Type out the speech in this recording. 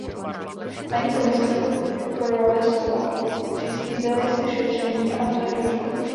Paní komisařko Kroesová, přislíbila jste šetření, a to je dobře.